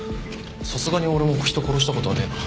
さすがに俺も人殺したことはねえな。